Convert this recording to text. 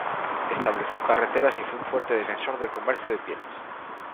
Estableció carreteras y fue un fuerte defensor del comercio de pieles.